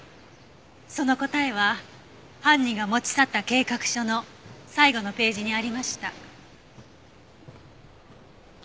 その答えは犯人が持ち去った計画書の最後のページにありました。